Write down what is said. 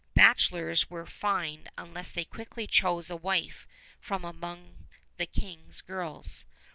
Bachelors were fined unless they quickly chose a wife from among the King's girls.